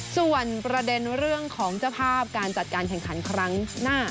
ส่วนประเด็นเรื่องของเจ้าภาพการจัดการแข่งขันครั้งหน้า